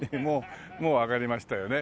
もうわかりましたよね。